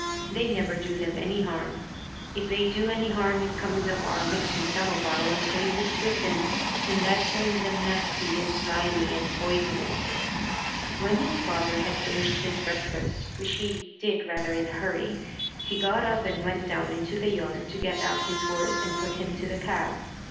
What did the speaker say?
They never do them any harm. If they do any harm, it comes of our mixing some of our own praises with them, and that turns them nasty and slimy and poisonous. When his father had finished his breakfast, which he did rather in a hurry, he got up and went down into the yard to get out his horse and put him to the cab.